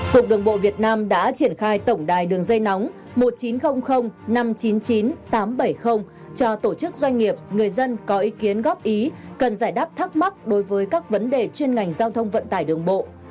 cục đường bộ việt nam đã triển khai tổng đài đường dây nóng một nghìn chín trăm linh năm trăm chín mươi chín tám trăm bảy mươi cho tổ chức doanh nghiệp người dân có ý kiến góp ý cần giải đáp thắc mắc đối với các vấn đề chuyên ngành giao thông vận tải đường bộ